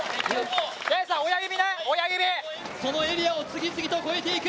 そのエリアを次々と越えていく。